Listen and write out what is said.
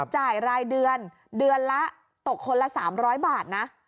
รายเดือนเดือนละตกคนละ๓๐๐บาทนะ